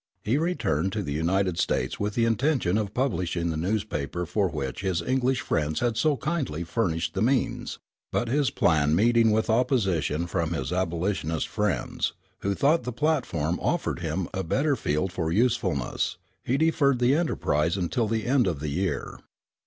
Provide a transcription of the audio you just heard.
He returned to the United States with the intention of publishing the newspaper for which his English friends had so kindly furnished the means; but his plan meeting with opposition from his abolitionist friends, who thought the platform offered him a better field for usefulness, he deferred the enterprise until near the end of the year.